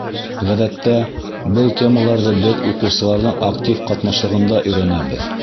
Ғәҙәттә, был темаларҙы беҙ уҡыусыларҙың актив ҡатнашлығында өйрәнәбеҙ.